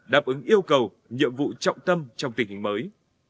đáp ứng yêu cầu nhiệm vụ trọng tâm trong tình hình mới